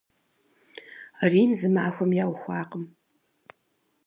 Рим зы махуэм яухуакъым.